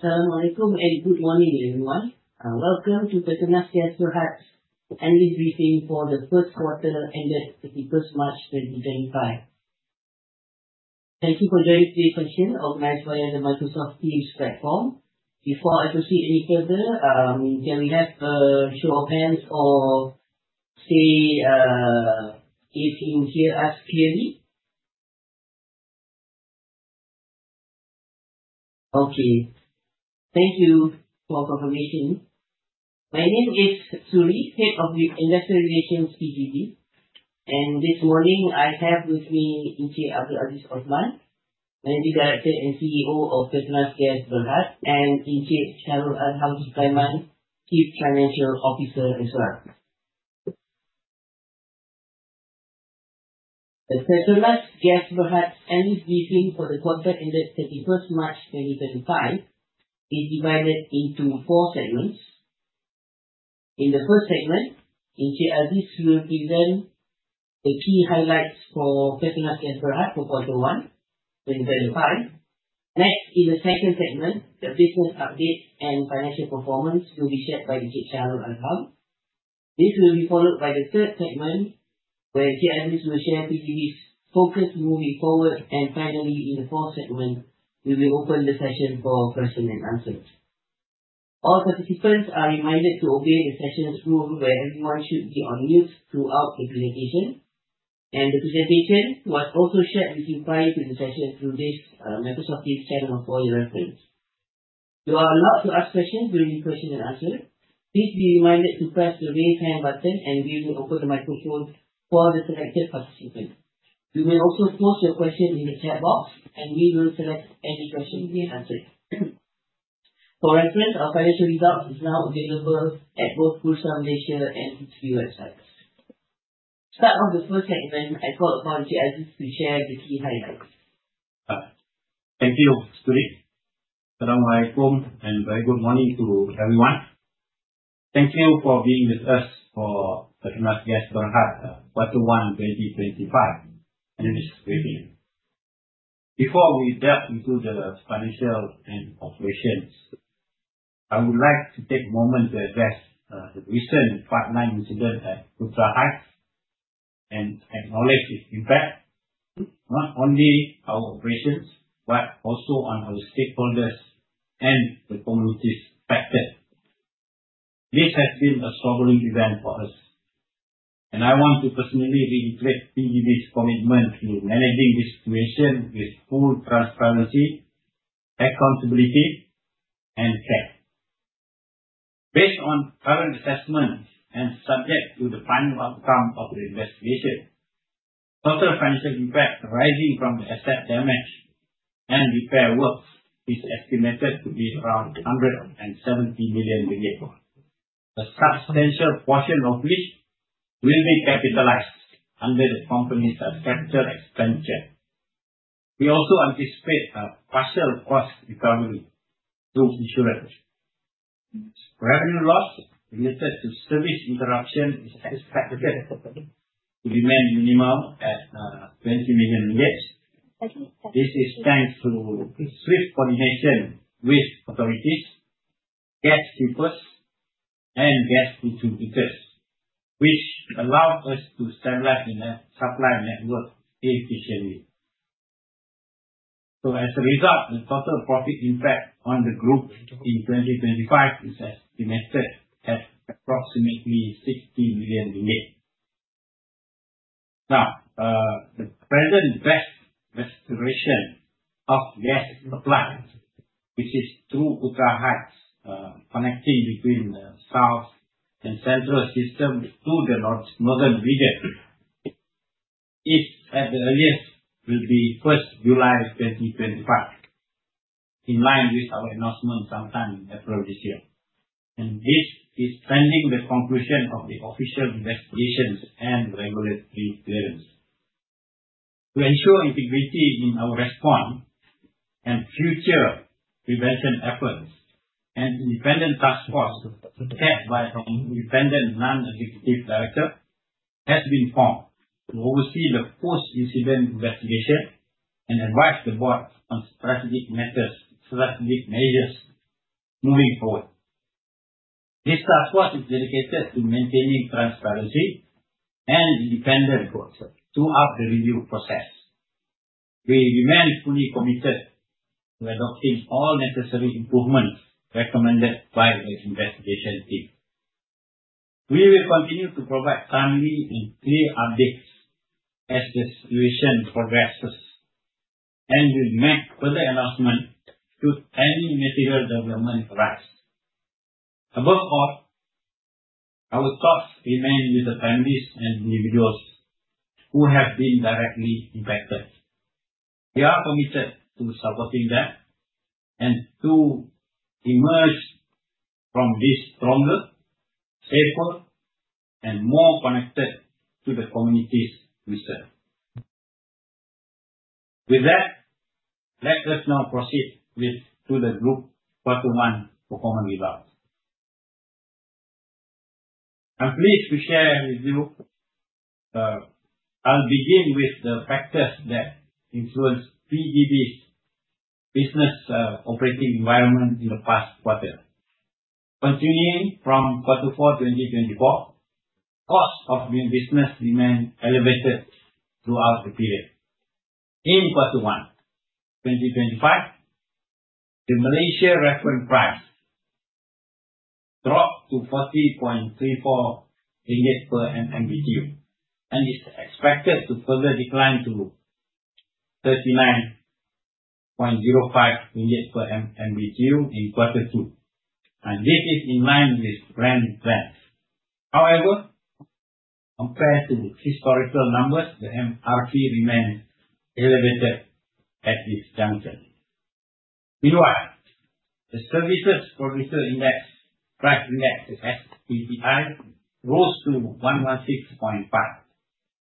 Assalamualaikum and good morning, everyone. Welcome to Petronas Gas Berhad's annual briefing for the first quarter ended 31st March 2025. Thank you for joining today's session organized by the Microsoft Teams platform. Before I proceed any further, can we have a show of hands or say if you can hear us clearly? Okay, thank you for your confirmation. My name is Suriy, Head of Industrial Relations PGB, and this morning I have with me Encik Abdul Aziz Othman, Managing Director and CEO of Petronas Gas Berhad, and Encik Shahrul Azham Sukaiman, Chief Financial Officer as well. The Petronas Gas Berhad's annual briefing for the quarter ended 31st March 2025 is divided into four segments. In the first segment, Encik Aziz will present the key highlights for Petronas Gas Berhad for quarter one 2025. Next, in the second segment, the business updates and financial performance will be shared by Encik Shahrul Azham. This will be followed by the third segment where Encik Aziz will share PGB's focus moving forward, and finally, in the fourth segment, we will open the session for questions and answers. All participants are reminded to obey the session's rules where everyone should be on mute throughout the presentation, and the presentation was also shared with you prior to the session through this Microsoft Teams channel for your reference. You are allowed to ask questions during the question and answer. Please be reminded to press the raise hand button, and we will open the microphone for the selected participant. You may also post your question in the chat box, and we will select any question to be answered. For reference, our financial results are now available at both Bursa Malaysia and PGB websites. To start off the first segment, I call upon Encik Aziz to share the key highlights. Thank you, Suriy. Assalamualaikum and very good morning to everyone. Thank you for being with us for Petronas Gas Berhad quarter one 2025 annual briefing. Before we delve into the financial and operations, I would like to take a moment to address the recent part-time incident at Putra Heights and acknowledge its impact not only on our operations but also on our stakeholders and the communities affected. This has been a troubling event for us, and I want to personally reiterate PGB's commitment to managing this situation with full transparency, accountability, and care. Based on current assessments and subject to the final outcome of the investigation, total financial impact arising from the asset damage and repair works is estimated to be around 170 million ringgit, a substantial portion of which will be capitalized under the company's capital expenditure. We also anticipate a partial cost recovery through insurance. Revenue loss related to service interruption is expected to remain minimal at 20 million. This is thanks to swift coordination with authorities, gas keepers, and gas distributors, which allowed us to stabilize the supply network efficiently. As a result, the total profit impact on the group in 2025 is estimated at approximately 60 million ringgit. Now, the present best restoration of gas supply, which is through Putra Heights, connecting between the south and central system to the northern region, is at the earliest will be 1st July 2025, in line with our announcement sometime in April this year. This is pending the conclusion of the official investigations and regulatory clearance. To ensure integrity in our response and future prevention efforts, an independent task force headed by our independent non-executive director has been formed to oversee the post-incident investigation and advise the board on strategic measures moving forward. This task force is dedicated to maintaining transparency and independence throughout the review process. We remain fully committed to adopting all necessary improvements recommended by the investigation team. We will continue to provide timely and clear updates as the situation progresses and will make further announcements should any material development arise. Above all, our thoughts remain with the families and individuals who have been directly impacted. We are committed to supporting them and to emerge from this stronger, safer, and more connected to the communities we serve. With that, let us now proceed to the group quarter one performance results. I'm pleased to share with you, I'll begin with the factors that influenced PGB's business operating environment in the past quarter. Continuing from quarter four 2024, cost of new business remained elevated throughout the period. In quarter one 2025, the Malaysia Reference Price dropped to 40.34 ringgit per MMBtu and is expected to further decline to 39.05 ringgit per MMBtu in quarter two. This is in line with grand plans. However, compared to the historical numbers, the MRP remained elevated at this juncture. Meanwhile, the Services Producer Price Index (SPPI) rose to 116.5,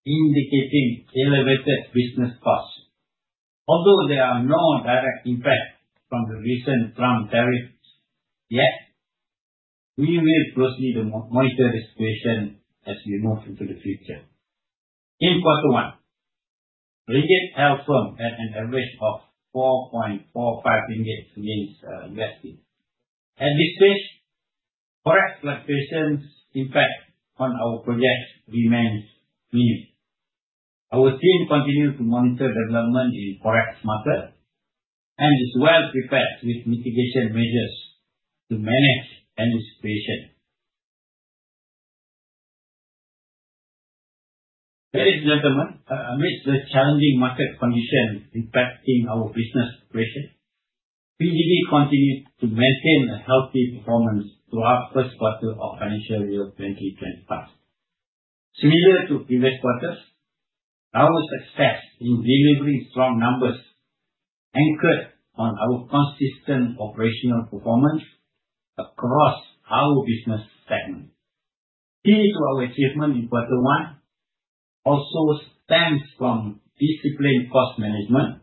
indicating elevated business costs. Although there are no direct impacts from the recent Trump tariffs, yet we will closely monitor the situation as we move into the future. In quarter one, Ringgit held firm at an average of 4.45 ringgit against USD. At this stage, forex fluctuations' impact on our projects remains minimal. Our team continues to monitor development in the forex market and is well prepared with mitigation measures to manage any situation. Ladies and gentlemen, amidst the challenging market conditions impacting our business operations, PGB continued to maintain a healthy performance throughout the first quarter of financial year 2025. Similar to previous quarters, our success in delivering strong numbers anchored on our consistent operational performance across our business segment. Key to our achievement in quarter one also stems from disciplined cost management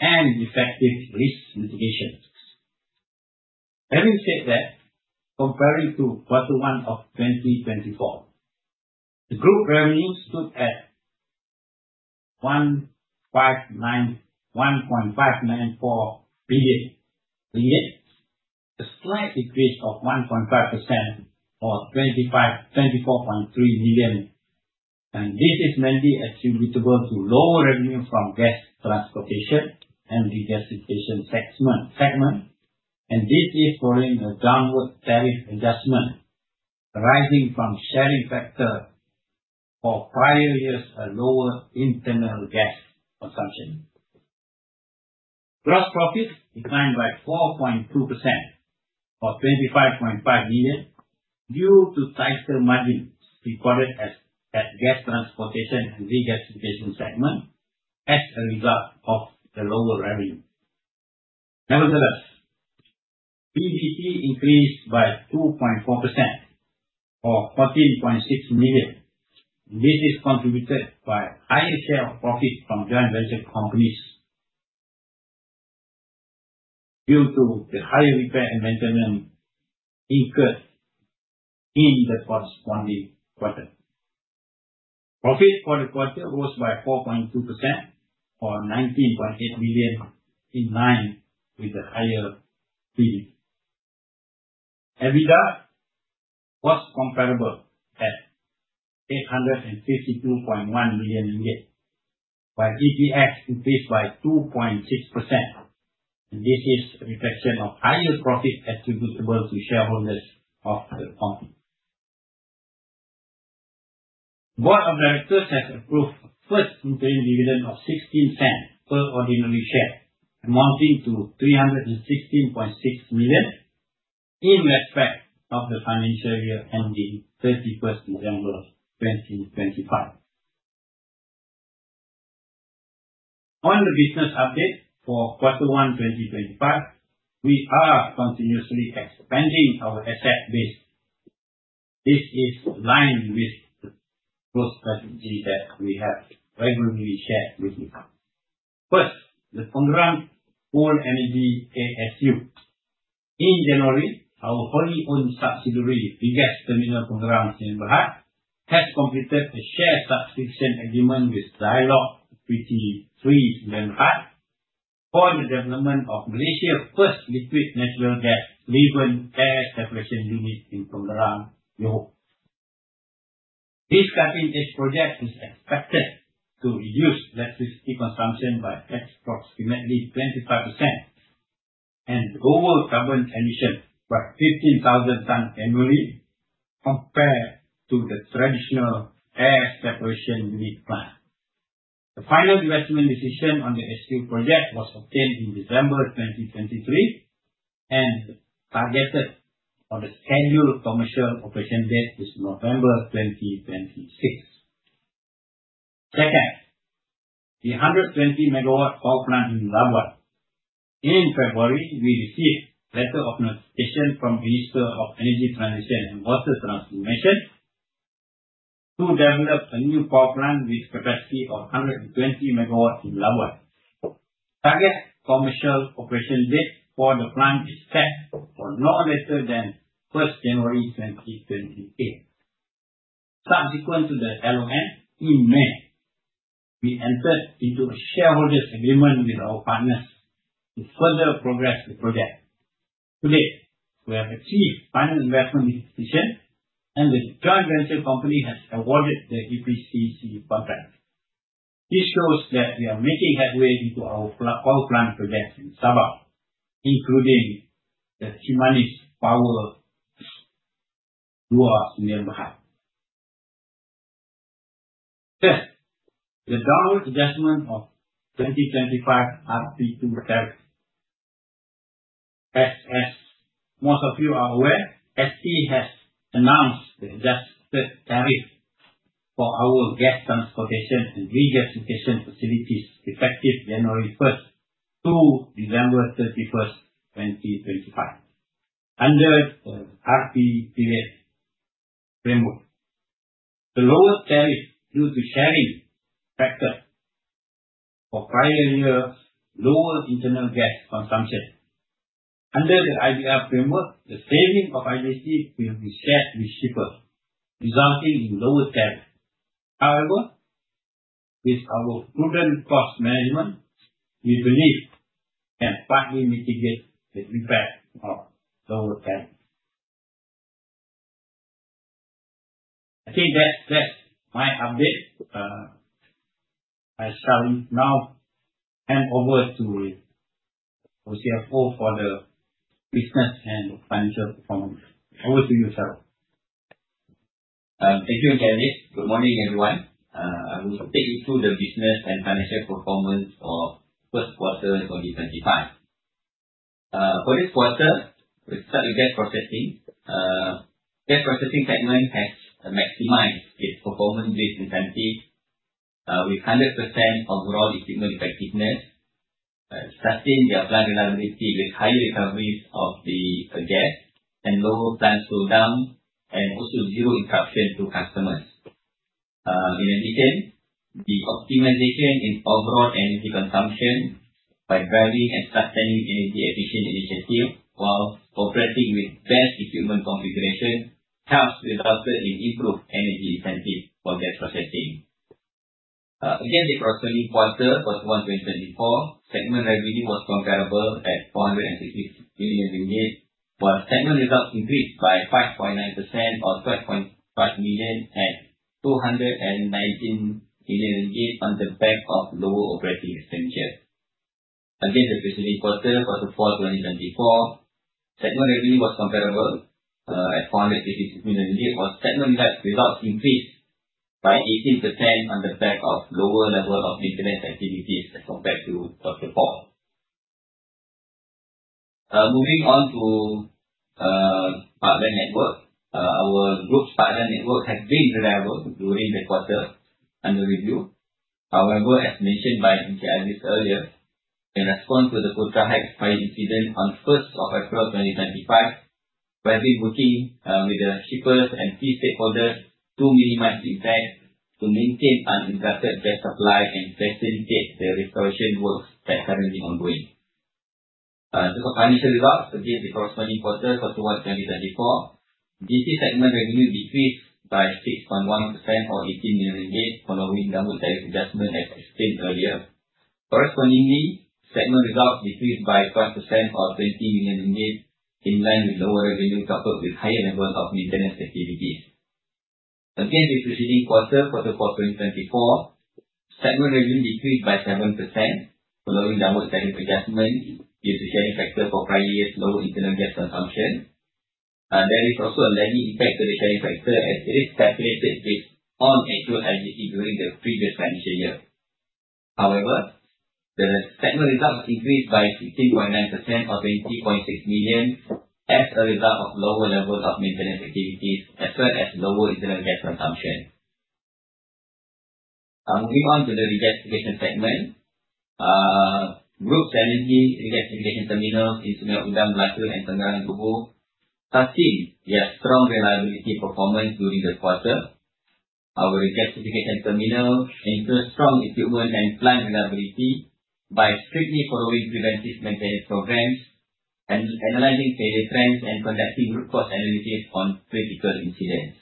and effective risk mitigation. Having said that, comparing to quarter one of 2024, the group revenue stood at 1.594 billion ringgit, a slight decrease of 1.5% or 24.3 million. This is mainly attributable to lower revenue from gas transportation and regasification segment, and this is following a downward tariff adjustment arising from sharing factor for prior years' lower internal gas consumption. Gross profit declined by 4.2% or 25.5 million due to tighter margins recorded at the gas transportation and regasification segment as a result of the lower revenue. Nevertheless, PGB increased by 2.4% or 14.6 million. This is contributed by a higher share of profit from joint venture companies due to the higher repair and maintenance incurred in the corresponding quarter. Profit for the quarter rose by 4.2% or 19.8 million, in line with the higher period. EBITDA was comparable at 852.1 million ringgit while EPS increased by 2.6%. This is a reflection of higher profit attributable to shareholders of the company. The Board of Directors has approved a first interim dividend of 0.16 per ordinary share, amounting to 316.6 million in respect of the financial year ending 31st December 2025. On the business update for quarter one 2025, we are continuously expanding our asset base. This is aligned with the growth strategy that we have regularly shared with you. First, the in Pengerang, called LNG-ASU. In January, our wholly owned subsidiary, Regas Terminal Pengerang Sdn Bhd, has completed a share subscription agreement with Dialog Equity 3 Sdn Bhd for the development of Malaysia's first liquefied natural gas-driven air separation unit in Pengerang, Johor. This carbon-based project is expected to reduce electricity consumption by approximately 25% and lower carbon emissions by 15,000 tons annually compared to the traditional air separation unit plan. The final investment decision on the ASU project was obtained in December 2023 and targeted for the scheduled commercial operation date is November 2026. Second, the 120 MW power plant in Labuan. In February, we received a letter of notification from the Minister of Energy Transition and Water Transformation to develop a new power plant with a capacity of 120 MW in Labuan. The target commercial operation date for the plant is set for no later than 1st January 2026. Subsequent to the LON, in May, we entered into a shareholders' agreement with our partners to further progress the project. To date, we have achieved final investment decision, and the joint venture company has awarded the EPCC contract. This shows that we are making headway into our power plant projects in Sabah, including the Kimanis Power Dua Sdn Bhd. Third, the downward adjustment of 2025 RP2 tariff. As most of you are aware, SE has announced the adjusted tariff for our gas transportation and regasification facilities effective January 1st to December 31st, 2025, under the RP period framework. The lower tariff is due to the sharing factor for prior years' lower internal gas consumption. Under the IBR framework, the savings of IGC will be shared with shippers, resulting in lower tariff. However, with our prudent cost management, we believe we can partly mitigate the impact of lower tariff. I think that's my update. I shall now hand over to our CFO for the business and financial performance. Over to you, Shahrul. Thank you, Encik Ali. Good morning, everyone. I will take you through the business and financial performance for the first quarter 2025. For this quarter, we start with gas processing. The gas processing segment has maximized its performance-based intensity with 100% overall equipment effectiveness, sustaining their plant reliability with high recoveries of the gas and lower plant slowdown, and also zero interruption to customers. In addition, the optimization in overall energy consumption by varying and sustaining energy efficiency initiatives while operating with best equipment configuration helps result in improved energy intensity for gas processing. Again, the quarter two, quarter one 2024, segment revenue was comparable at 466 million ringgit, while segment results increased by 5.9% or 12.5 million at 219 million ringgit on the back of lower operating expenditure. Again, the preceding quarter, quarter four 2024, segment revenue was comparable at MYR 466 million, while segment results increased by 18% on the back of lower level of maintenance activities as compared to quarter four. Moving on to partner network, our group's partner network has been reliable during the quarter under review. However, as mentioned by Encik Aziz earlier, in response to the Putra Heights fire incident on 1st April 2025, we have been working with the shippers and key stakeholders to minimize the impact, to maintain uninterrupted gas supply, and facilitate the restoration works that are currently ongoing. Regarding financial results, again, the corresponding quarter, quarter one 2024, GC segment revenue decreased by 6.1% or 18 million ringgit following downward tariff adjustment, as explained earlier. Correspondingly, segment results decreased by 12% or 20 million in line with lower revenue coupled with higher levels of maintenance activities. Again, the preceding quarter, quarter four 2024, segment revenue decreased by 7% following downward tariff adjustment due to sharing factor for prior years' lower internal gas consumption. There is also a lagging impact to the sharing factor as it is calculated based on actual IGC during the previous financial year. However, the segment results increased by 16.9% or 20.6 million as a result of lower levels of maintenance activities as well as lower internal gas consumption. Moving on to the regasification segment, group's energy regasification terminals in Melaka and Pengerang, Johor, sustained their strong reliability performance during the quarter. Our regasification terminal ensures strong equipment and plant reliability by strictly following preventive maintenance programs, analyzing failure trends, and conducting root cause analysis on critical incidents.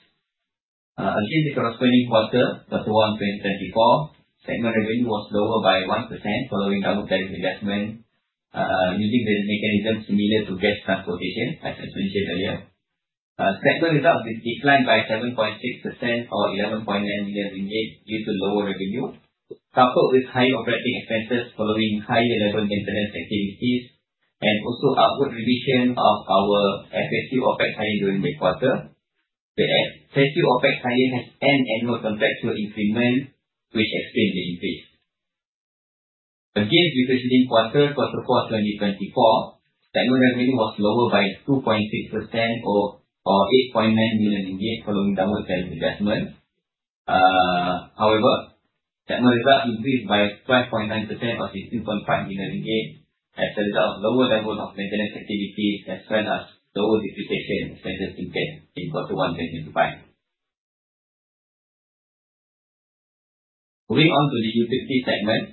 Again, the corresponding quarter, quarter one 2024, segment revenue was lower by 1% following downward tariff adjustment using the mechanism similar to gas transportation, as mentioned earlier. Segment results declined by 7.6% or 11.9 million ringgit due to lower revenue coupled with high operating expenses following higher level maintenance activities and also outward revision of our FSU OPEX hire during the quarter. The FSU OPEX hire has annual contractual increment, which explains the decrease. Again, the preceding quarter, quarter four 2024, segment revenue was lower by 2.6% or MYR 8.9 million following downward tariff adjustment. However, segment results increased by 5.9% or 16.5 million ringgit as a result of lower level of maintenance activities as well as lower depreciation expenses incurred in quarter one 2025. Moving on to the utilities segment,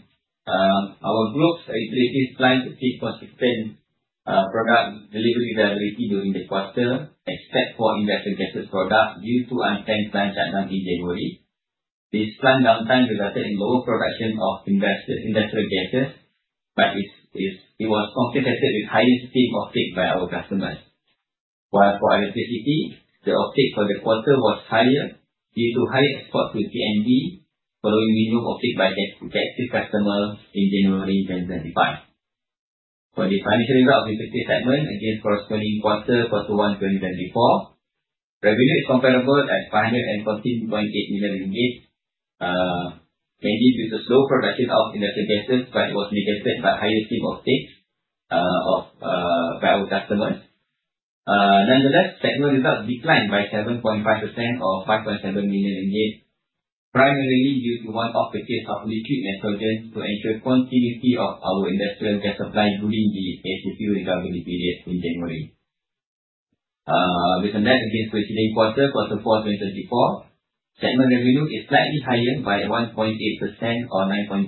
our group's utilities planned to see consistent product delivery reliability during the quarter except for industrial gases product due to unplanned plant shutdown in January. This plant downtime resulted in lower production of industrial gases, but it was compensated with higher steam offtakes by our customers. While for electricity, the offtake for the quarter was higher due to high export to TNB following minimum offtake by gas customers in January 2025. For the financial results of the utilities segment, again, corresponding quarter, quarter one 2024, revenue is comparable at 514.8 million ringgit, mainly due to slow production of industrial gases, but it was negated by higher steam offtakes by our customers. Nonetheless, segment results declined by 7.5% or 5.7 million ringgit, primarily due to one-off purchase of liquid nitrogen to ensure continuity of our industrial gas supply during the ASU recovery period in January. Within that, again, preceding quarter, quarter four 2024, segment revenue is slightly higher by 1.8% or 9.3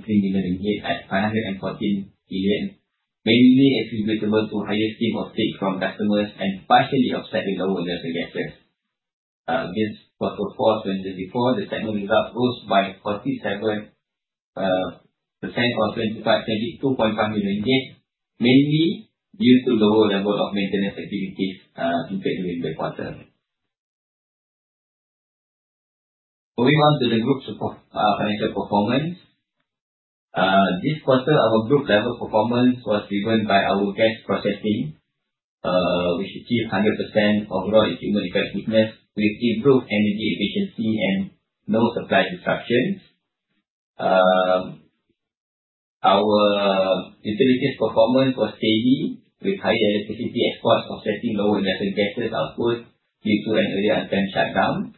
million ringgit at 514 million, mainly attributable to higher steam optics from customers and partially offset with lower industrial gases. Again, quarter four 2024, the segment results rose by 47% or 2.5 million ringgit, mainly due to lower level of maintenance activities incurred during the quarter. Moving on to the group's financial performance, this quarter, our group level performance was driven by our gas processing, which achieved 100% overall equipment effectiveness with improved energy efficiency and no supply disruptions. Our utilities performance was steady with higher electricity exports offsetting lower industrial gases output due to an earlier unplanned shutdown.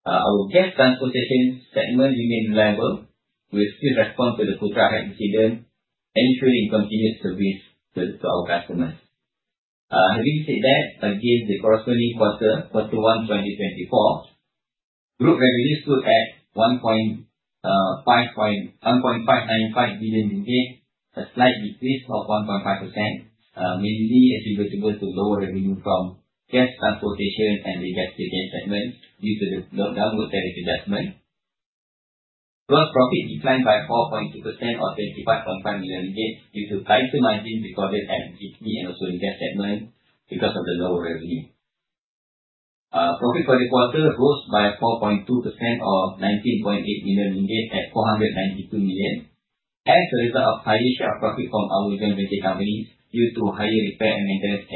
Our gas transportation segment remained reliable with still response to the Putra Heights incident, ensuring continued service to our customers. Having said that, again, the corresponding quarter, quarter one 2024, group revenues stood at 1.595 million ringgit, a slight decrease of 1.5%, mainly attributable to lower revenue from gas transportation and regasification segment due to the downward tariff adjustment. Gross profit declined by 4.2% or 25.5 million ringgit due to tighter margins recorded at GC and also regas segment because of the lower revenue. Profit for the quarter rose by 4.2% or 19.8 million ringgit at 492 million as a result of higher share of profit from our joint venture companies due to higher repair and maintenance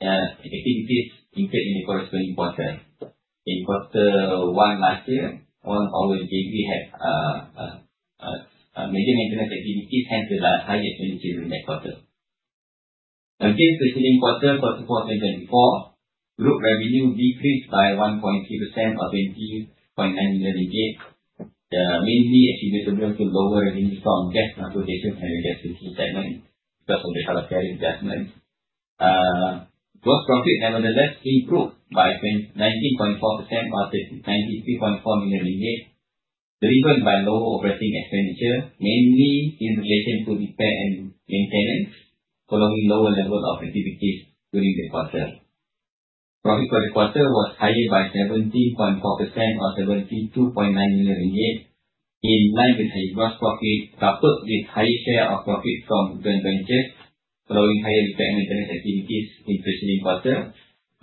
activities incurred in the corresponding quarter. In quarter one last year, while our JV had major maintenance activities, hence the high expenditure during that quarter. Again, preceding quarter, quarter four 2024, group revenue decreased by 1.3% or MYR 20.9 million, mainly attributable to lower revenue from gas transportation and regasification segment because of the shallow tariff adjustment. Gross profit nevertheless improved by 19.4% or 93.4 million ringgit driven by lower operating expenditure, mainly in relation to repair and maintenance following lower level of activities during the quarter. Profit for the quarter was higher by 17.4% or 72.9 million in line with higher gross profit coupled with higher share of profit from joint ventures following higher repair and maintenance activities in preceding quarter,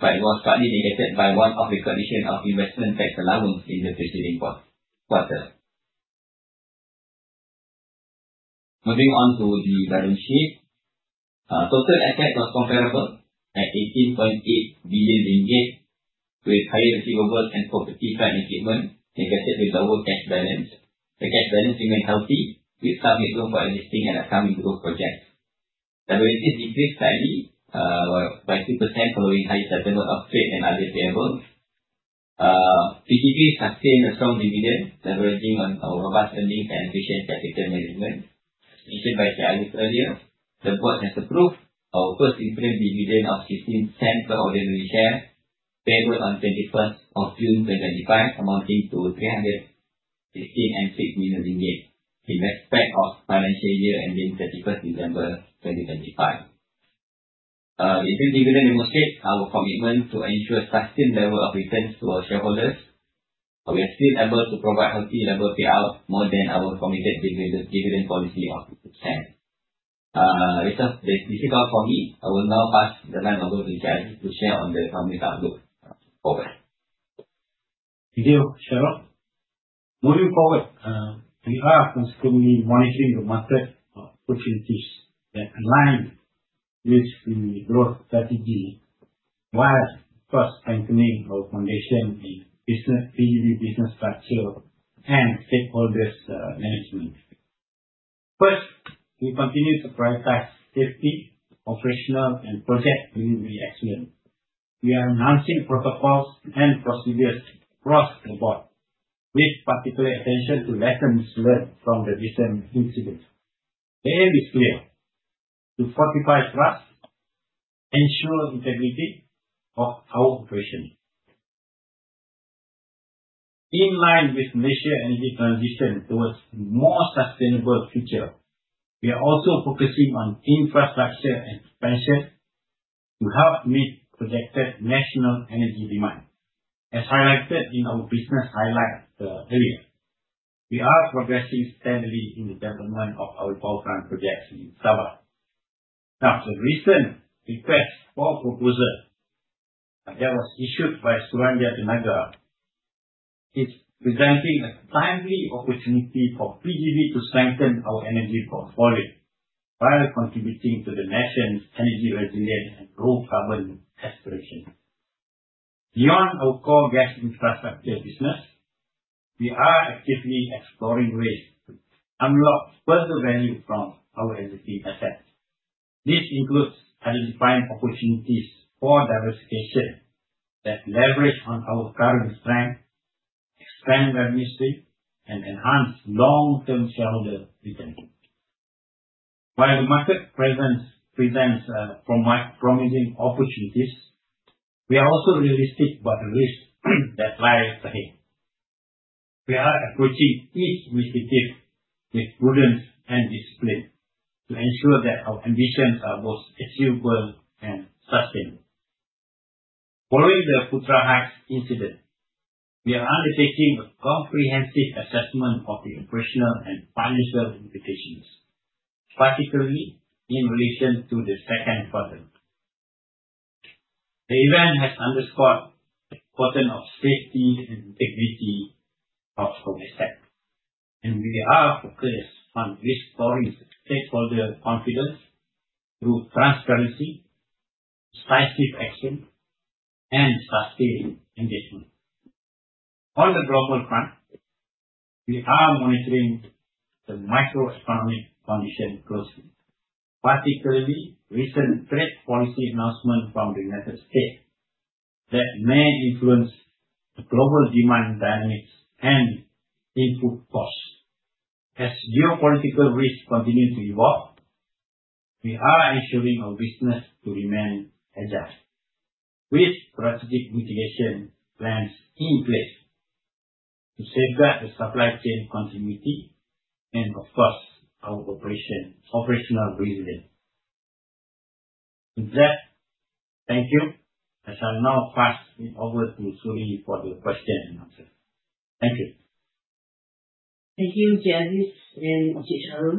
but it was partly negated by one-off recognition of investment tax allowance in the preceding quarter. Moving on to the balance sheet, total assets was comparable at 18.8 million ringgit with higher receivables and property side equipment negated with lower cash balance. The cash balance remained healthy with some returns for existing and upcoming group projects. Liabilities decreased slightly by 2% following higher settlement of trade and other payables. PGP sustained a strong dividend leveraging on our robust earnings and efficient capital management. As mentioned by Encik Aziz earlier, the board has approved our first increment dividend of 0.16 per ordinary share payable on 21st June 2025, amounting to 316.6 million ringgit in respect of financial year ending 31st December 2025. It is a dividend demonstrates our commitment to ensure sustained level of returns to our shareholders. We are still able to provide healthy level payout more than our committed dividend policy of 2%. This is all for me. I will now pass the line over to Encik Aziz to share on the summary outlook forward. Thank you, Shahrul. Moving forward, we are consistently monitoring the market opportunities that align with the growth strategy while first strengthening our foundation in PGP business structure and stakeholders management. First, we continue to prioritize safety, operational, and project delivery excellence. We are enhancing protocols and procedures across the board with particular attention to lessons learned from the recent incidents. The aim is clear: to fortify trust, ensure integrity of our operation. In line with Malaysia's energy transition towards a more sustainable future, we are also focusing on infrastructure and expansion to help meet projected national energy demand. As highlighted in our business highlight earlier, we are progressing steadily in the development of our power plant projects in Sabah. Now, the recent request for proposal that was issued by Suruhanjaya Tenaga is presenting a timely opportunity for PGB to strengthen our energy portfolio while contributing to the nation's energy resilience and low carbon aspirations. Beyond our core gas infrastructure business, we are actively exploring ways to unlock further value from our existing assets. This includes identifying opportunities for diversification that leverage on our current strength, expand revenue streams, and enhance long-term shareholder retention. While the market presents promising opportunities, we are also realistic about the risks that lie ahead. We are approaching each initiative with prudence and discipline to ensure that our ambitions are both achievable and sustainable. Following the Putra Heights incident, we are undertaking a comprehensive assessment of the operational and financial implications, particularly in relation to the second quarter. The event has underscored the importance of safety and integrity of our assets, and we are focused on restoring stakeholder confidence through transparency, decisive action, and sustained engagement. On the global front, we are monitoring the macroeconomic condition closely, particularly recent trade policy announcements from the United States that may influence the global demand dynamics and input costs. As geopolitical risks continue to evolve, we are ensuring our business to remain agile with strategic mitigation plans in place to safeguard the supply chain continuity and, of course, our operational resilience. With that, thank you. I shall now pass it over to Suriy for the question and answer. Thank you. Thank you, Encik Aziz and Encik Shahrul.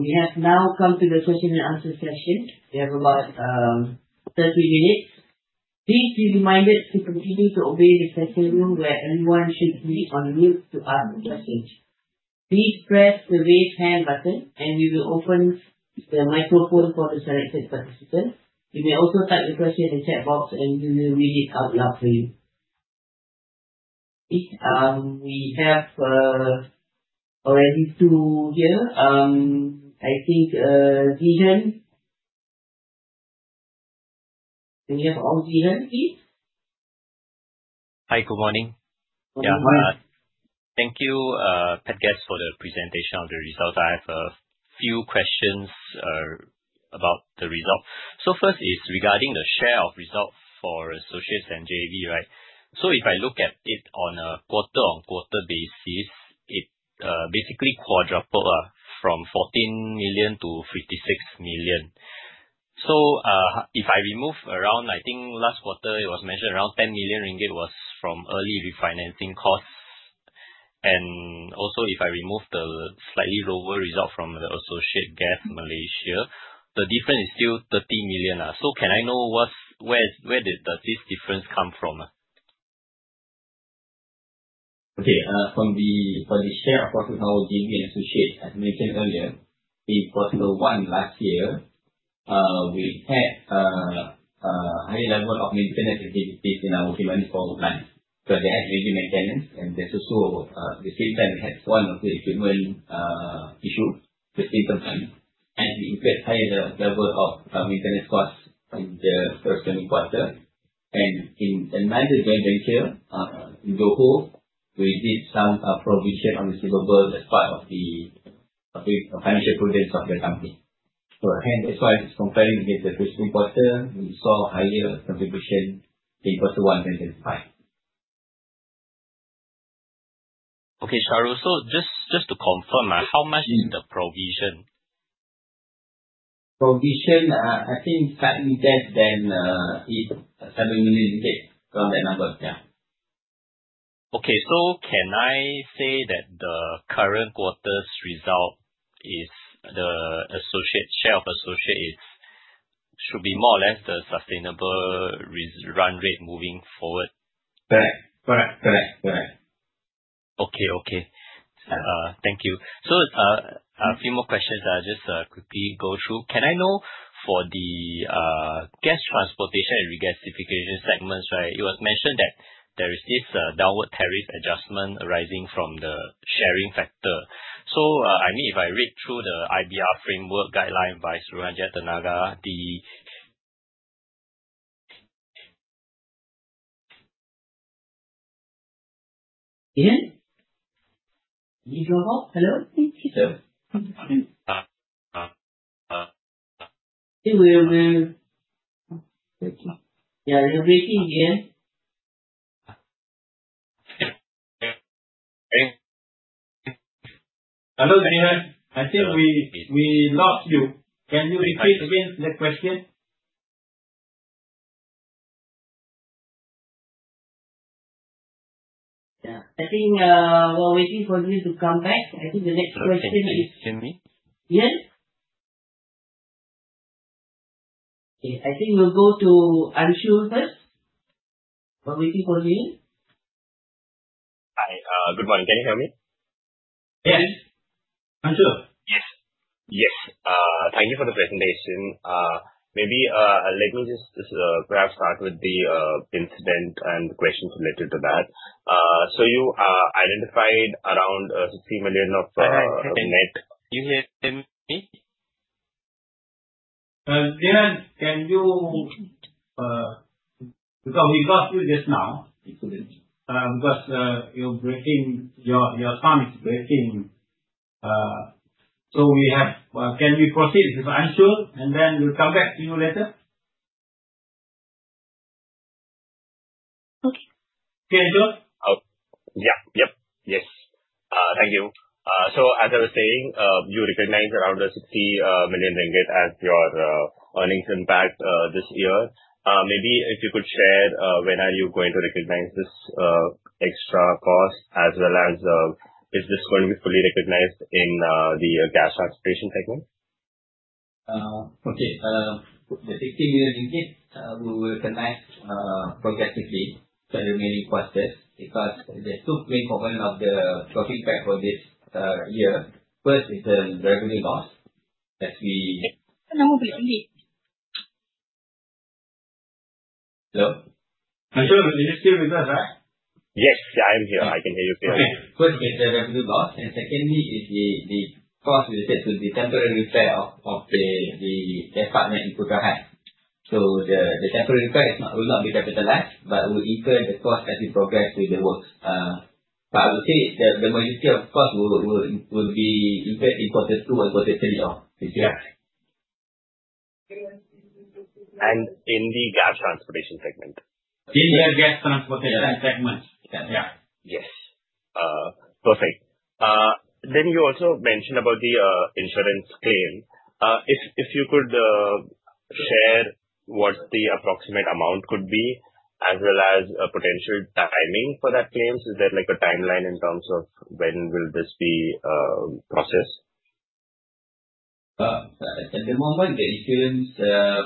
We have now come to the question and answer session. We have about 30 minutes. Please be reminded to continue to obey the second room where everyone should be on mute. To ask a question, please press the raise hand button and we will open the microphone for the selected participants. You may also type your question in the chat box and we will read it out loud for you. We have already two here. I think Zhiyan, can you have all Zhiyan, please? Hi, good morning. Yeah, thank you, and guess for the presentation of the results. I have a few questions about the result. First is regarding the share of result for associates and JV, right? If I look at it on a quarter-on-quarter basis, it basically quadrupled from 14 million to 56 million. If I remove around, I think last quarter it was mentioned around 10 million ringgit was from early refinancing costs. Also, if I remove the slightly lower result from the associate Gas Malaysia, the difference is still 30 million. Can I know where does this difference come from? Okay, for the share of profit for our JV and associates, as mentioned earlier, in quarter one last year, we had a higher level of maintenance activities in our equipment for the plant because they had major maintenance. Also, at the same time, we had one of the equipment issues within the plant. We increased higher level of maintenance costs in the first semi quarter. In another joint venture in Johor, we did some provision on receivable as part of the financial prudence of the company. Hence, that's why it's comparing against the first semi quarter, we saw higher contribution in quarter one 2025. Okay, Shahrul, so just to confirm, how much is the provision? Provision, I think slightly less than 7 million ringgit from that number. Yeah. Okay, so can I say that the current quarter's result is the associate share of associate should be more or less the sustainable run rate moving forward? Correct. Okay. Okay. Thank you. So a few more questions I'll just quickly go through. Can I know for the gas transportation and regasification segments, right, it was mentioned that there is this downward tariff adjustment arising from the sharing factor. I mean, if I read through the IBR framework guideline by Suruhanjaya Tenaga, the. Zhiyan? Can you drop off? Hello? Thank you. Yeah, you're breaking in. Hello, I think we lost you. Can you repeat the question? Yeah. I think while waiting for you to come back, I think the next question is. Can you hear me? Zhiyan? Okay, I think we'll go to Anshu first. While waiting for you. Hi, good morning. Can you hear me? Yes. Anshu? Yes. Yes. Thank you for the presentation. Maybe let me just perhaps start with the incident and the questions related to that. You identified around RM 60 million of, and net. You hear me? Ian, can you, because we lost you just now because your sound is breaking, can you proceed with Anshu and then we'll come back to you later? Okay. Okay, Anshu? Yeah. Yep. Yes. Thank you. As I was saying, you recognized around RM 60 million as your earnings impact this year. Maybe if you could share when are you going to recognize this extra cost as well as is this going to be fully recognized in the gas transportation segment? Okay. The RM 60 million we will recognize progressively for the remaining quarters because there are two main components of the profit pack for this year. First is the revenue loss that we. Hello? Anshu, you still with us, right? Yes. Yeah, I'm here. I can hear you clearly. Okay. First is the revenue loss. Secondly is the cost related to the temporary repair of the gas pipeline in Putra Heights. The temporary repair is not ruled out to be capitalized, but will incur the cost as we progress through the work. I would say the majority of cost will be incurred in quarter two and quarter three of this year. In the gas transportation segment? In the gas transportation segment. Yes. Perfect. You also mentioned about the insurance claim. If you could share what the approximate amount could be as well as potential timing for that claim, is there a timeline in terms of when will this be processed? At the moment, the insurance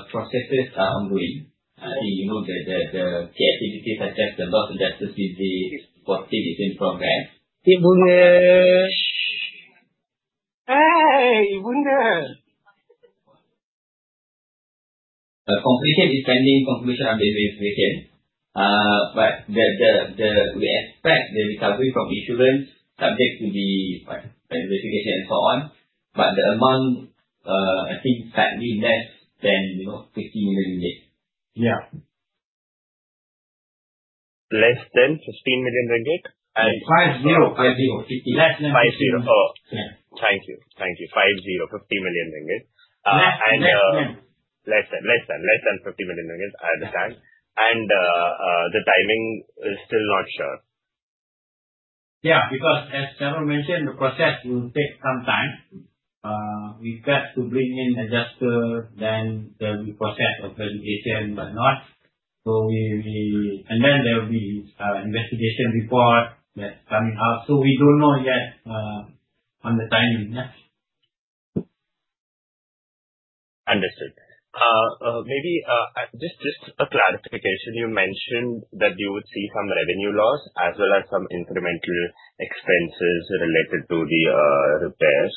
processes are ongoing. I think the key activities such as the loss adjuster's visit for the team is in progress. Hey, Ibunda. Completion is pending confirmation of the investigation. We expect the recovery from insurance subject to the investigation and so on. The amount, I think, is slightly less than 50 million ringgit. Yeah. Less than 15 million ringgit? Less than 50. Less than 50. Thank you. Thank you. 50, 50 million ringgit. Less than 50 million ringgit, I understand. The timing is still not sure. Yeah. Because as Shahrul mentioned, the process will take some time. We've got to bring in adjusters, then the process of verification and whatnot. There will be investigation report that's coming out. We don't know yet on the timing. Understood. Maybe just a clarification. You mentioned that you would see some revenue loss as well as some incremental expenses related to the repairs.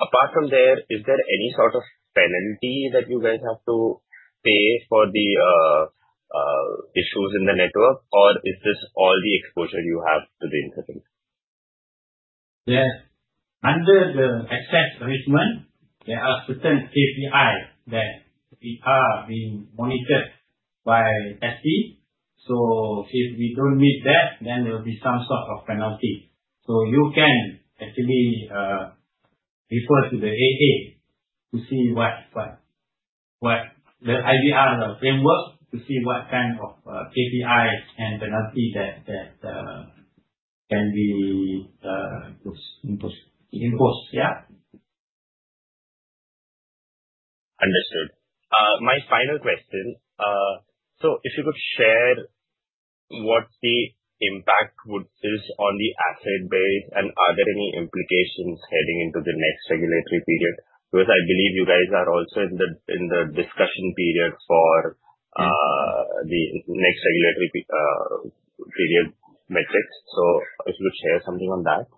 Apart from there, is there any sort of penalty that you guys have to pay for the issues in the network, or is this all the exposure you have to the incident? Yes. Under the excess arrangement, there are certain KPIs that we are being monitored by SP. If we do not meet that, then there will be some sort of penalty. You can actually refer to the AA to see what the IBR framework, to see what kind of KPIs and penalty that can be imposed. Understood. My final question. If you could share what the impact is on the asset base and are there any implications heading into the next regulatory period? I believe you guys are also in the discussion period for the next regulatory period metrics. If you could share something on that.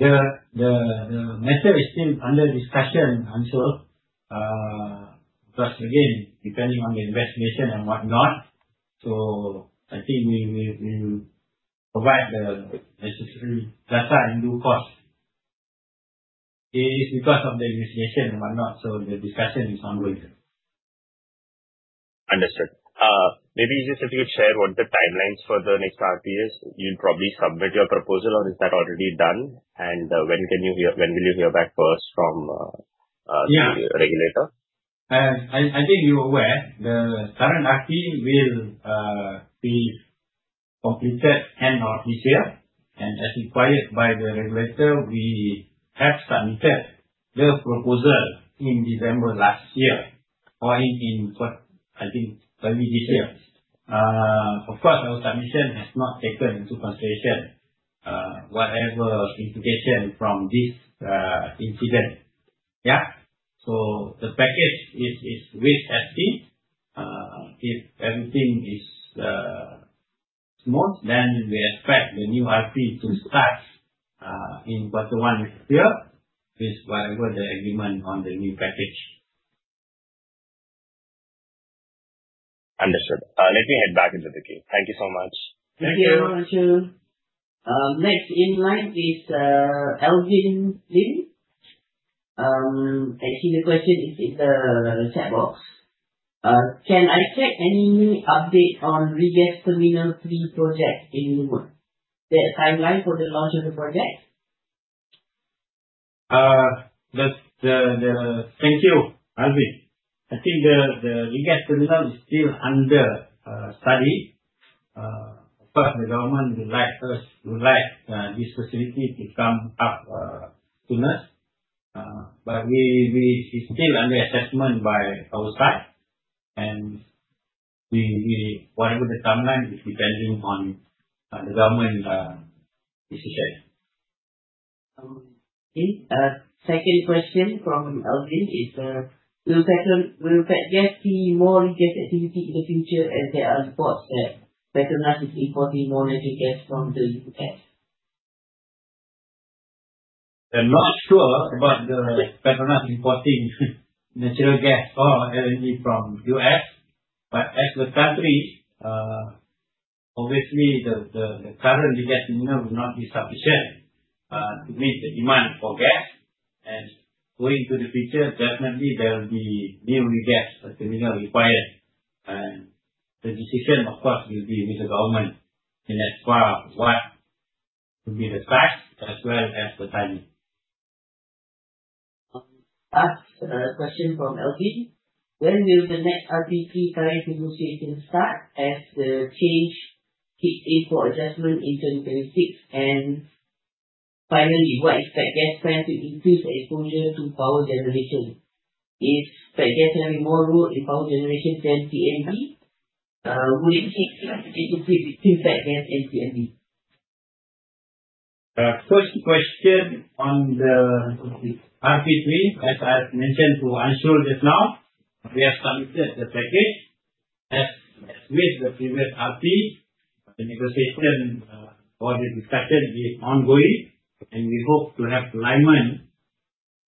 Yeah. The matter is still under discussion, Anshu, because again, depending on the investigation and whatnot. I think we will provide the necessary data and due cost. It is because of the investigation and whatnot. The discussion is ongoing. Understood. Maybe just if you could share what the timelines for the next RP is, you'll probably submit your proposal or is that already done? When will you hear back first from the regulator? I think you're aware, the current RP will be completed end of this year. As required by the regulator, we have submitted the proposal in December last year or in, I think, early this year. Of course, our submission has not taken into consideration whatever implication from this incident. Yeah. The package is with SP. If everything is smooth, we expect the new RP to start in quarter one next year with whatever the agreement on the new package. Understood. Let me head back into the queue. Thank you so much. Thank you, Anshu. Next in line is Alvin Lim. Actually, the question is in the chat box. Can I check any update on Regas Terminal 3 project in Lumut? Is there a timeline for the launch of the project? Thank you, Alvin. I think the Regas Terminal is still under study. Of course, the government would like this facility to come up to us. It is still under assessment by our side. Whatever the timeline is depends on the government decision. Okay. Second question from Alvin is, will Petronas see more regas activity in the future as there are reports that Petronas is importing more natural gas from the US? I'm not sure about Petronas importing natural gas or LNG from the U.S. As the country, obviously, the current regas terminal will not be sufficient to meet the demand for gas. Going to the future, definitely there will be new regas terminal required. The decision, of course, will be with the government in as far as what will be the size as well as the timing. Last question from Alvin. When will the next RP3 current negotiation start as the change kicked in for adjustment in 2026? Finally, what is Petronas plan to increase the exposure to power generation? Is Petronas having more role in power generation than TNB? Will it take time to integrate between Petronas and TNB? First question on the RP3, as I've mentioned to Anshu just now, we have submitted the package as with the previous RP. The negotiation or the discussion is ongoing. We hope to have alignment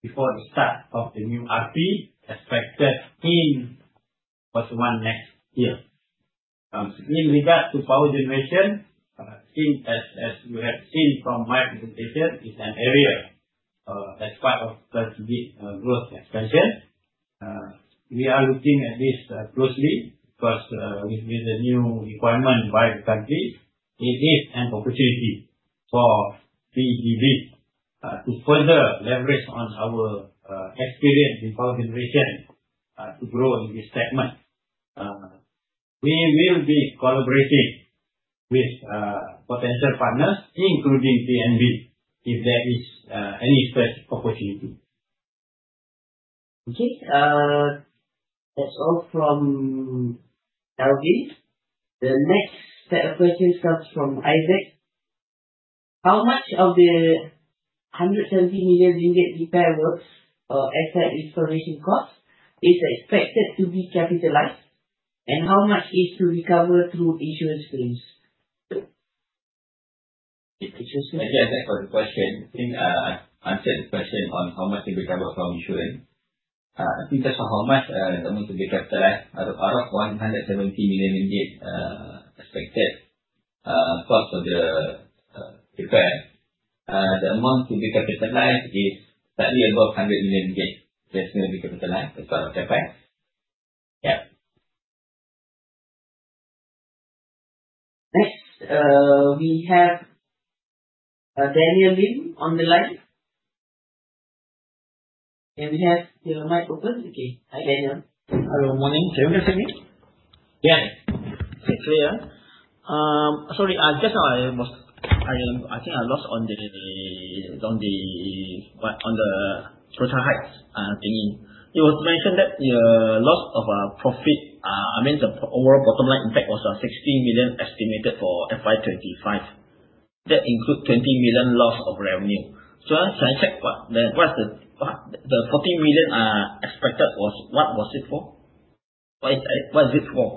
before the start of the new RP expected in quarter one next year. In regards to power generation, as you have seen from my presentation, it's an area as part of the growth expansion. We are looking at this closely because with the new requirement by the country, it is an opportunity for PGB to further leverage on our experience in power generation to grow in this segment. We will be collaborating with potential partners, including TNB, if there is any such opportunity. Okay. That's all from Alvin. The next set of questions comes from Isaac. How much of the 170 million ringgit repair works or asset restoration cost is expected to be capitalized? How much is to recover through insurance claims? Again, thanks for the question. I think I've answered the question on how much to recover from insurance. I think as for how much the amount to be capitalized, out of MYR 170 million expected cost of the repair, the amount to be capitalized is slightly above 100 million that's going to be capitalized as part of repair. Yeah. Next, we have Daniel Lim on the line. Can we have your mic open? Okay. Hi, Daniel. Hello. Morning. Can you guys hear me? Yeah. Okay. Yeah, sorry, I just know I think I lost on the Putra Heights thingy. It was mentioned that your loss of profit, I mean, the overall bottom line impact was 60 million estimated for FY 2025. That includes 20 million loss of revenue. Can I check what the 40 million expected was, what was it for? What is it for?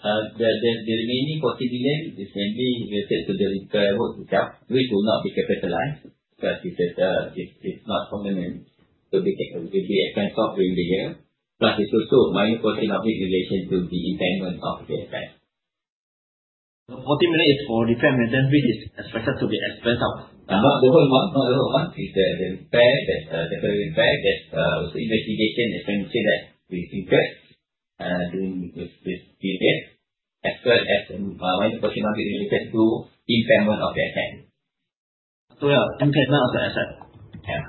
The remaining MYR 40 million is mainly related to the repair work itself, which will not be capitalized because it's not permanent, to be expensed off during the year. Plus, it's also minor costing of it in relation to the impairment of the repair. 40 million is for repair maintenance, which is expected to be expensed off. Not the whole amount. It's the repair, the temporary repair, there's also investigation expenditure that will incur during this period as well as minor costing of it related to impairment of the asset. Yeah, I'm clear now as well. Yeah.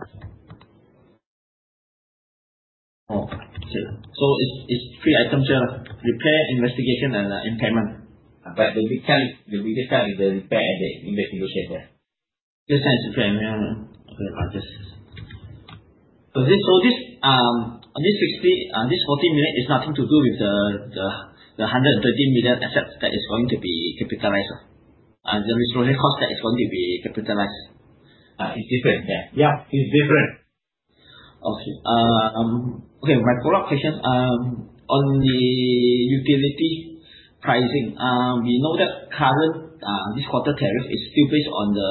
Oh, okay. So it's three items here. Repair, investigation, and impairment. The biggest part is the repair and the investigation. This time is okay. This 60 million, this 40 million is nothing to do with the 130 million asset that is going to be capitalized or the restoration cost that is going to be capitalized. It's different there. Yeah, it's different. Okay. Okay. My follow-up question on the utility pricing. We know that current this quarter tariff is still based on the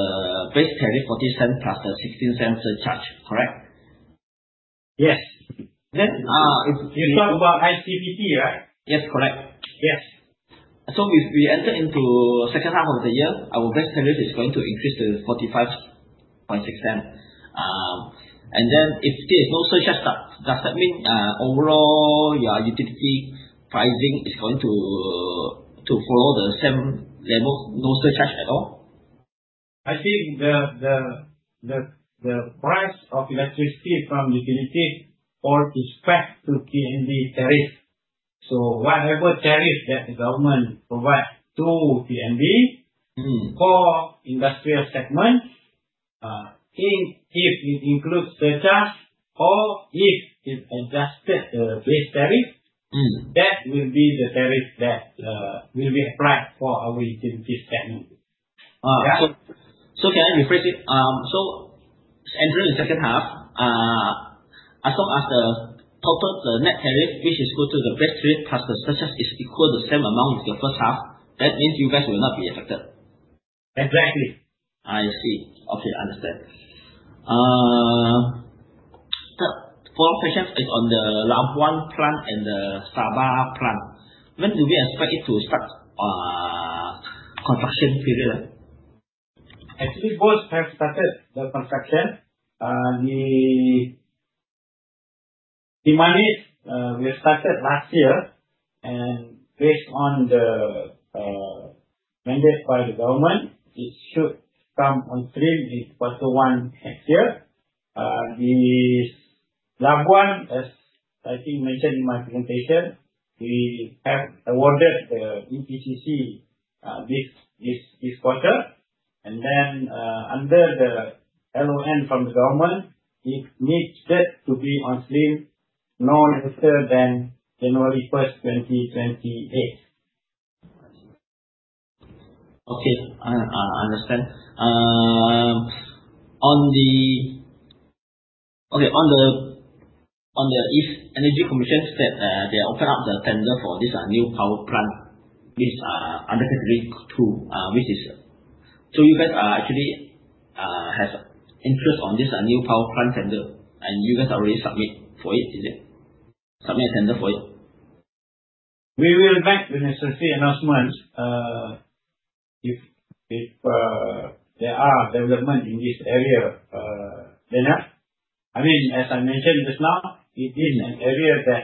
base tariff MYR 0.40 plus the MYR 0.16 surcharge, correct? Yes. Then if. You're talking about ICPT, right? Yes, correct. Yes. If we enter into the second half of the year, our base tariff is going to increase to MYR 0.456. And then if there is no surcharge, does that mean overall your utility pricing is going to follow the same level, no surcharge at all? I think the price of electricity from utility or is pegged to TNB tariff. So whatever tariff that the government provides to TNB for industrial segments, if it includes surcharge or if it adjusts the base tariff, that will be the tariff that will be applied for our utility segment. Can I rephrase it? Entering the second half, as long as the net tariff, which is equal to the base tariff plus the surcharge, is equal to the same amount as the first half, that means you guys will not be affected. Exactly. I see. Okay. Understood. The follow-up question is on the Labuan plant and the Sabah plant. When do we expect it to start construction period? Actually, both have started the construction. The demand list we started last year. Based on the mandate by the government, it should come on stream in quarter one next year. The Labuan, as I think mentioned in my presentation, we have awarded the EPCC this quarter. Under the LON from the government, it needs to be on stream no later than January 1st, 2028. Okay. I understand. Okay. The Energy Commission said they opened up the tender for this new power plant, which is under category two, which is. You guys actually have interest on this new power plant tender. You guys already submit for it, is it? Submit a tender for it? We will make the necessary announcement if there are developments in this area. I mean, as I mentioned just now, it is an area that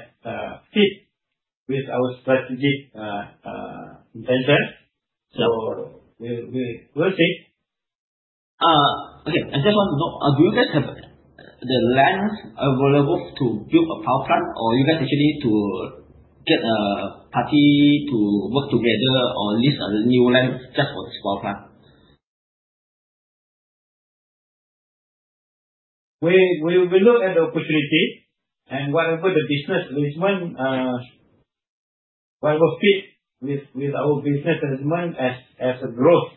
fits with our strategic intention. We'll see. Okay. I just want to know, do you guys have the land available to build a power plant, or you guys actually need to get a party to work together or lease a new land just for this power plant? We look at the opportunity. Whatever the business arrangement, whatever fits with our business arrangement as a growth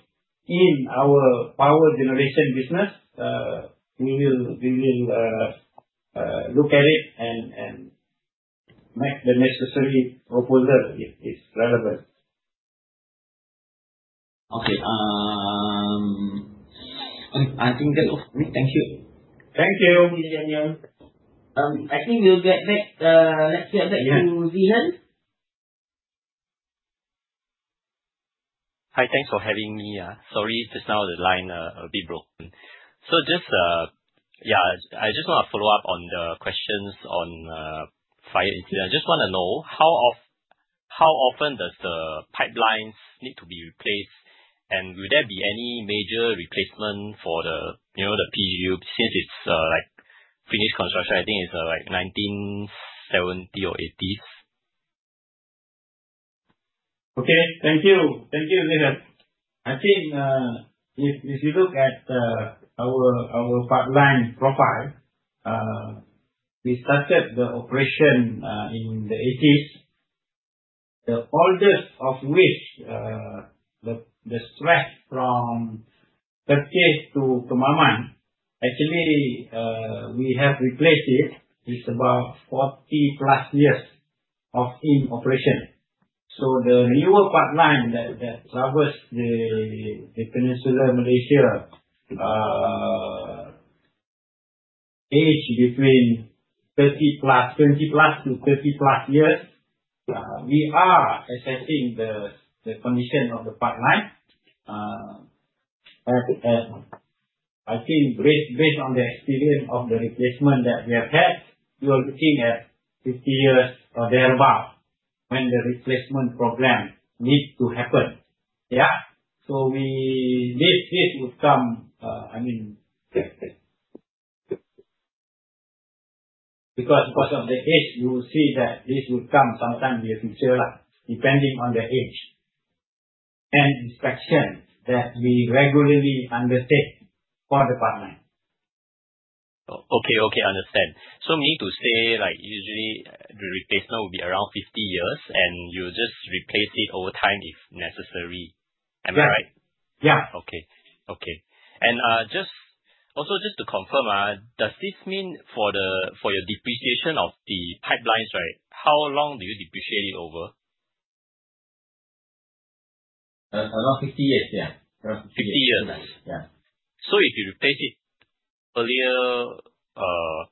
in our power generation business, we will look at it and make the necessary proposal if it's relevant. Okay. I think that's all for me. Thank you. Thank you, Daniel. I think we'll get back. Let's get back to Zhiyan. Hi, thanks for having me. Sorry, just now the line a bit broken. Yeah, I just want to follow up on the questions on the fire incident. I just want to know how often does the pipelines need to be replaced? Will there be any major replacement for the PGU since it finished construction? I think it's like 1970 or 1980s. Okay. Thank you. Thank you, Zhiyan. I think if you look at our pipeline profile, we started the operation in the 1980s, the oldest of which, the stretch from PETRIS to Kembaman, actually, we have replaced it. It is about 40-plus years in operation. The newer pipeline that traverses Peninsular Malaysia, aged between 20-plus to 30-plus years, we are assessing the condition of the pipeline. I think based on the experience of the replacement that we have had, we are looking at 50 years or thereabout when the replacement program needs to happen. Yeah. This would come, I mean, because of the age, you will see that this would come sometime in the future, depending on the age and inspection that we regularly undertake for the pipeline. Okay. Okay. I understand. So, me to say, usually, the replacement will be around 50 years, and you'll just replace it over time if necessary. Am I right? Yeah. Yeah. Okay. Okay. Also, just to confirm, does this mean for your depreciation of the pipelines, right, how long do you depreciate it over? Around 50 years, yeah. Around 50 years. 50 years. Yeah. If you replace it earlier, how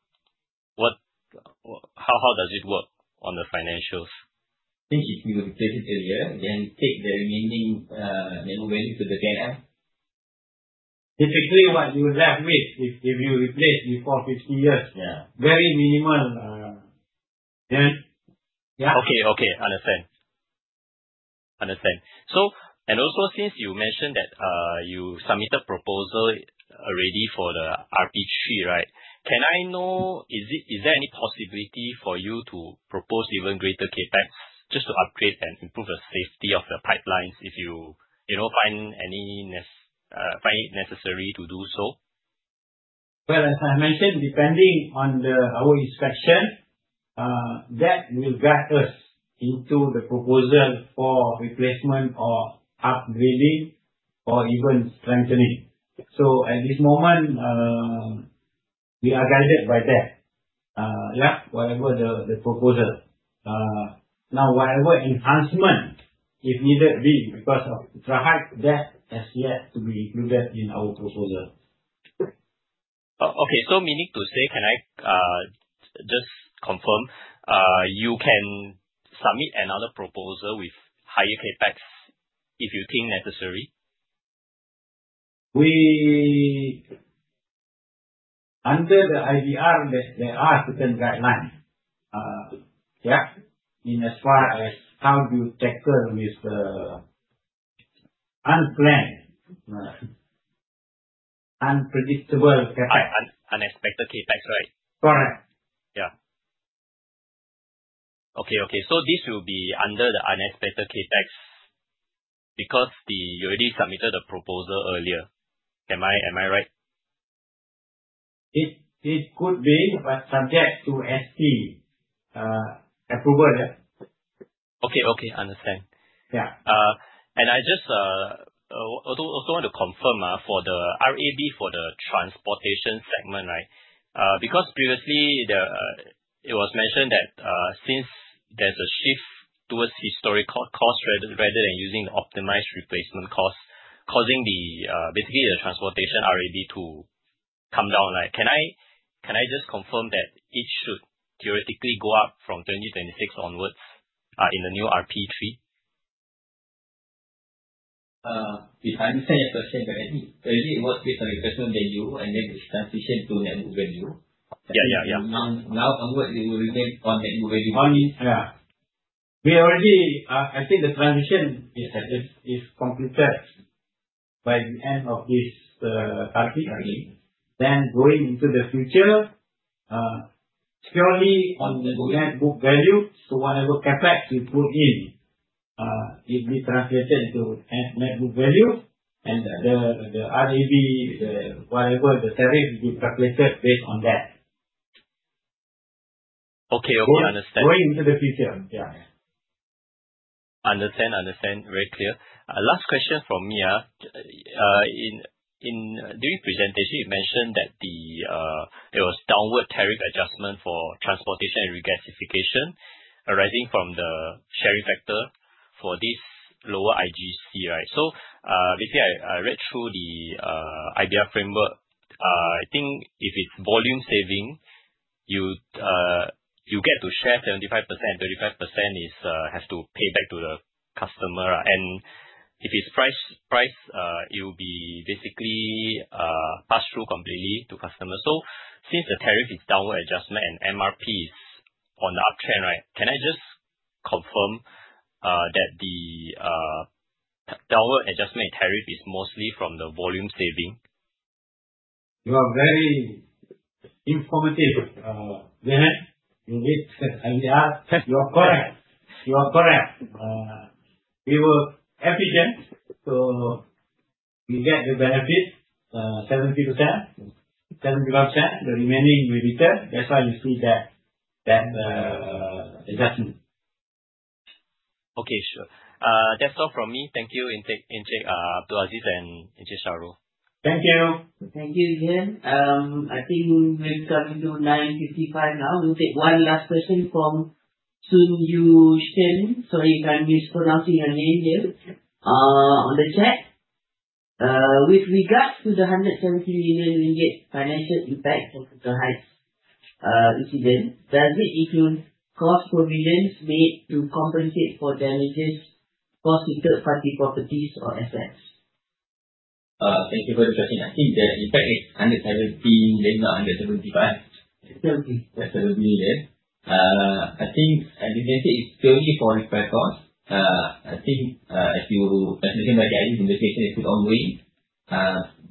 does it work on the financials? I think if you replace it earlier, then take the remaining net worth to the tender. Typically, what you're left with if you replace before 50 years, very minimal. Yeah. Okay. Okay. I understand. I understand. Also, since you mentioned that you submitted a proposal already for the RP3, right, can I know, is there any possibility for you to propose even greater CapEx just to upgrade and improve the safety of the pipelines if you find it necessary to do so? As I mentioned, depending on our inspection, that will guide us into the proposal for replacement or upgrading or even strengthening. At this moment, we are guided by that, yeah, whatever the proposal. Now, whatever enhancement, if needed be because of Putra Heights, that has yet to be included in our proposal. Okay. So meaning to say, can I just confirm, you can submit another proposal with higher CapEx if you think necessary? Under the IBR, there are certain guidelines. Yeah, in as far as how you tackle with the unplanned, unpredictable CapEx. Unexpected CapEx, right? Correct. Yeah. Okay. Okay. So this will be under the unexpected CapEx because you already submitted a proposal earlier. Am I right? It could be, but subject to ST approval, yeah. Okay. Okay. I understand. I just also want to confirm for the RAB for the transportation segment, right, because previously, it was mentioned that since there is a shift towards historical cost rather than using the optimized replacement cost, causing basically the transportation RAB to come down. Can I just confirm that it should theoretically go up from 2026 onwards in the new RP3? If I understand your question, but I think earlier it was with the replacement venue, and then it transitioned to network venue. Yeah, yeah. Now onwards, it will remain on network venue. Yeah. We already, I think the transition is completed by the end of this RP3. Going into the future, purely on the net book value. Whatever CapEx you put in, it will be translated into net book value. The RAB, whatever the tariff, it will be calculated based on that. Okay. Okay. I understand. Going into the future, yeah. Understand. Understand. Very clear. Last question from me. During presentation, you mentioned that there was downward tariff adjustment for transportation and regasification arising from the sharing factor for this lower IGC, right? Basically, I read through the IBR framework. I think if it is volume saving, you get to share 75% and 35% has to pay back to the customer. If it is price, it will be basically passed through completely to customers. Since the tariff is downward adjustment and MRP is on the uptrend, right, can I just confirm that the downward adjustment in tariff is mostly from the volume saving? You are very informative, Zhiyan. You did the IVR. You are correct. We were efficient, so we get the benefit, 70%-75%. The remaining will return. That is why you see that adjustment. Okay. Sure. That's all from me. Thank you, Encik Abdul Aziz and Encik Shahrul. Thank you. Thank you, Zhiyan. I think we're coming to 9:55 now. We'll take one last question from Sun Yu Shen. Sorry, I mispronounced your name here on the chat. With regards to the 170 million ringgit financial impact for the Putra Heights incident, does it include cost provisions made to compensate for damages caused to third-party properties or assets? Thank you for the question. I think the impact is MYR 170 million or 175 million. MYR 170. MYR 170 million. I think, as you can see, it's purely for repair costs. I think as you translated by the IDS investigation, it's still ongoing.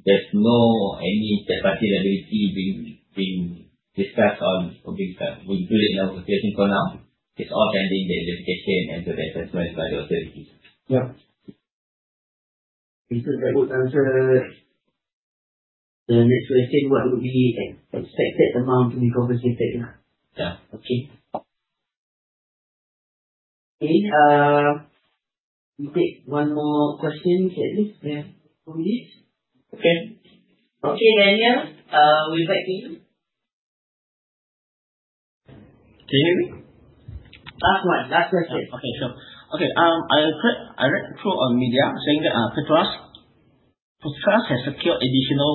There's no any third-party liability being discussed or being included in our consideration for now. It's all pending the investigation and the assessment by the authorities. Yep. Thank you. That would answer the next question, what would be the expected amount to be compensated? Yeah. Okay. Okay. We take one more question, at least, for me. Okay. Okay, Daniel. We'll get back to you. Can you hear me? Last one. Last question. Okay. Sure. Okay. I read through on media saying that Putra Heights has secured additional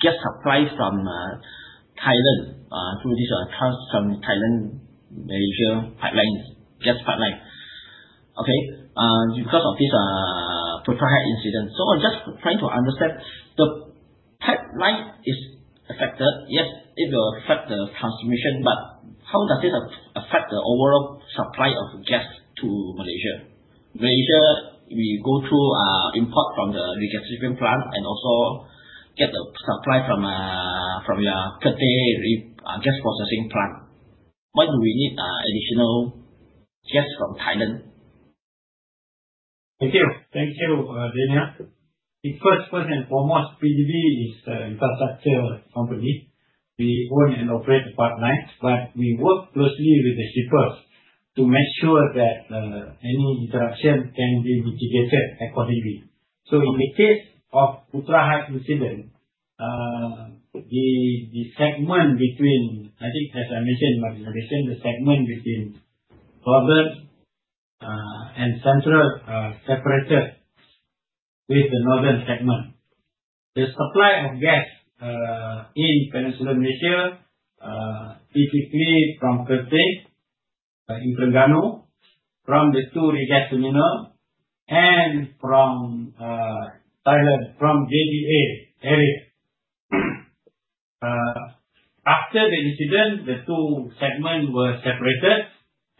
gas supply from Thailand through this from Thailand-Malaysia pipeline, gas pipeline. Okay. Because of this Putra Heights incident. I am just trying to understand the pipeline is affected. Yes, it will affect the transmission, but how does it affect the overall supply of gas to Malaysia? Malaysia, we go through import from the regasification plant and also get the supply from your PETRIS gas processing plant. Why do we need additional gas from Thailand? Thank you. Thank you, Daniel. First and foremost, PDB is an infrastructure company. We own and operate the pipelines, but we work closely with the shippers to make sure that any interruption can be mitigated accordingly. In the case of the Putra Heights incident, the segment between, I think, as I mentioned in my presentation, the segment between northern and central separated with the northern segment. The supply of gas in Peninsular Malaysia, typically from [PETRIS] in Terengganu, from the two regas terminal, and from Thailand, from JDA area. After the incident, the two segments were separated,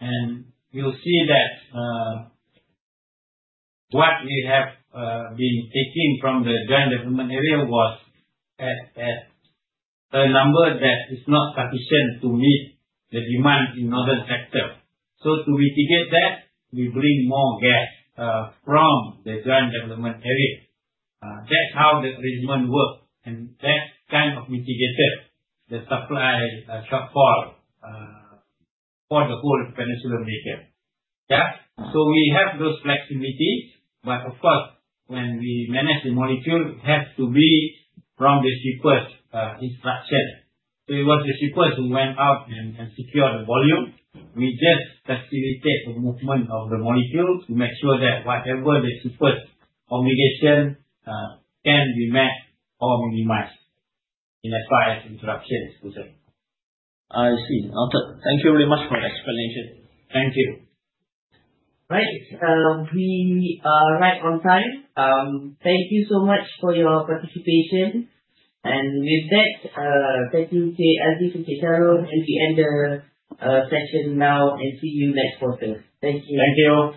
and you'll see that what we have been taking from the joint development area was at a number that is not sufficient to meet the demand in the northern sector. To mitigate that, we bring more gas from the joint development area. That's how the arrangement works, and that kind of mitigated the supply shortfall for the whole Peninsular Malaysia. Yeah. We have those flexibilities, but of course, when we manage the molecule, it has to be from the shipper's instruction. It was the shippers who went out and secured the volume. We just facilitate the movement of the molecule to make sure that whatever the shipper's obligation can be met or minimized in as far as interruptions concerned. I see. Thank you very much for the explanation. Thank you. Right. We are right on time. Thank you so much for your participation. Thank you, Encik Aziz, Encik Shahrul. We end the session now and see you next quarter. Thank you. Thank you.